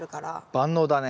万能だね。